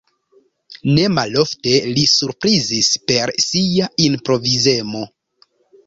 Ne malofte li surprizis per sia improvizemo.